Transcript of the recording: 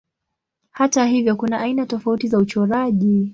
Hata hivyo kuna aina tofauti za uchoraji.